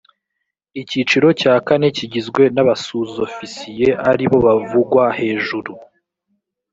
icyiciro cya kane kigizwe n’abasuzofisiye ari bo bavugwa hejuru